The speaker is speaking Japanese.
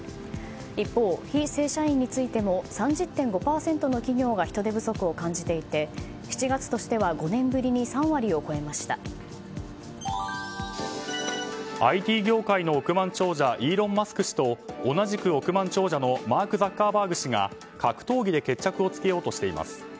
一方、非正社員についても３０．５％の企業が人手不足を感じていて７月としてはＩＴ企業の億万長者イーロン・マスク氏と同じく億万長者のマーク・ザッカーバーグ氏が格闘技で決着をつけようとしています。